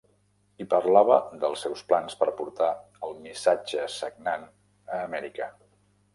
Hi parlava dels seus plans per portar el "missatge sagnant" a Amèrica.